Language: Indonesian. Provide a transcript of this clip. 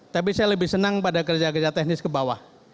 tapi saya lebih senang pada kerja kerja teknis ke bawah